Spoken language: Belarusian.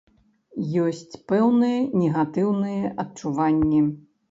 Ёсць пэўныя негатыўныя адчуванні.